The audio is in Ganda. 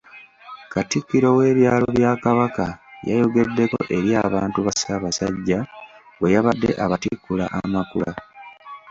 Katikkiro w'ebyalo bya Kabaka yayogeddeko eri abantu ba Ssaabasajja bwe yabadde abatikkula amakula.